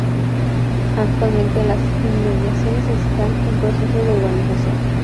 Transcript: Actualmente las inmediaciones están en proceso de urbanización.